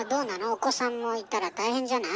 お子さんもいたら大変じゃない？